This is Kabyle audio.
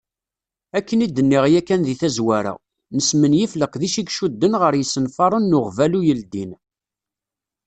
Akken i d-nniɣ yakan deg tazwara, nesmenyif leqdic i icudden ɣer yisenfaren n uɣbalu yeldin.